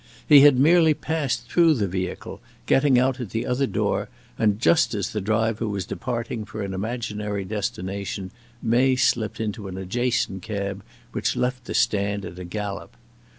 He had merely passed through the vehicle, getting out at the other door, and just as the driver was departing for an imaginary destination May slipped into an adjacent cab which left the stand at a gallop.